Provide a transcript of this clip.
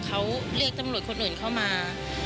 เขาเรียกตำรวจคนอื่นเข้ามา